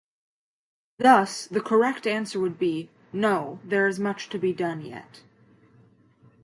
Thus, the correct answer would be: "No, there is much to be done yet".